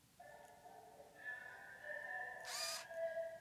imekuwa ikikiuka matamko ya kimataifa juu ya haki za binadamu